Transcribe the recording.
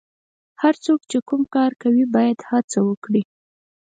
هر څوک چې کوم کار کوي باید هڅه وکړي.